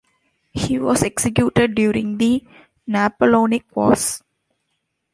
He was executed during the Napoleonic Wars.